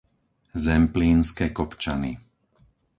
Zemplínske Kopčany